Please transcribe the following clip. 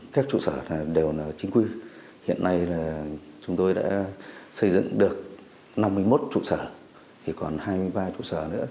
các trụ sở đều chính quy hiện nay chúng tôi đã xây dựng được năm mươi một trụ sở còn hai mươi ba trụ sở nữa